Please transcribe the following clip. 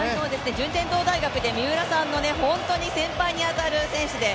順天堂大学で三浦さんの先輩に当たる選手です。